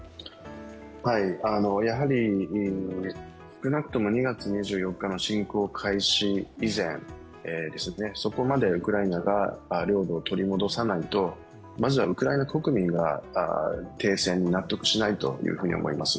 やはり少なくとも２月２４日の侵攻開始以前、そこまでウクライナが領土を取り戻さないと、まずはウクライナ国民が停戦に納得しないと思います。